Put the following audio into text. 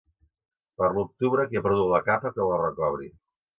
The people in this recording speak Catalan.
Per l'octubre, qui ha perdut la capa, que la recobri.